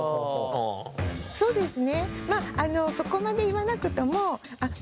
そうですね